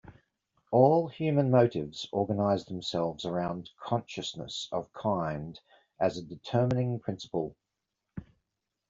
All human motives organize themselves around consciousness of kind as a determining principle.